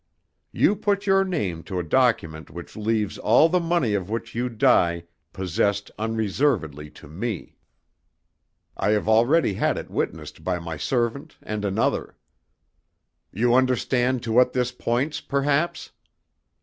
You put your name to a document which leaves all the money of which you die possessed unreservedly to me. I have already had it witnessed by my servant and another. You understand to what this points, perhaps?